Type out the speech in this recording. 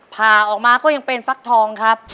ผ่าออกมาก็ยังเป็นฟักทองครับ